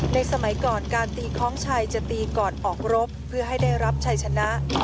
สมัยก่อนการตีคล้องชัยจะตีก่อนออกรบเพื่อให้ได้รับชัยชนะ